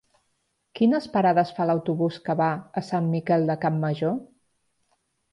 Quines parades fa l'autobús que va a Sant Miquel de Campmajor?